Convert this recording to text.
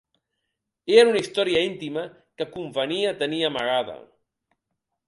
Era una història íntima que convenia tenir amagada.